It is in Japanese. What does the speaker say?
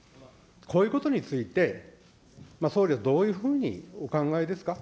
こういうことについて、総理はどういうふうにお考えですか。